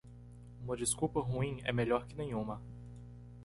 Uma desculpa ruim é melhor que nenhuma.